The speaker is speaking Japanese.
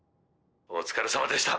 お疲れさまでした。